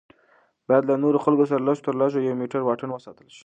باید له نورو خلکو سره لږ تر لږه یو میټر واټن وساتل شي.